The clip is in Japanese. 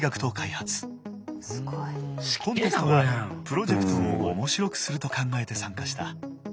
コンテストがプロジェクトを面白くすると考えて参加した。